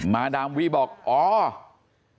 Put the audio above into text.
มาดามวี่บอกของ